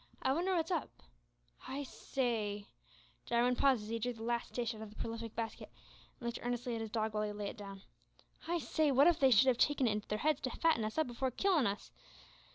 I wonder wot's up. I say " Jarwin paused as he drew the last dish out of the prolific basket, and looked earnestly at his dog while he laid it down, "I say, what if they should have taken it into their heads to fatten us up before killin' us?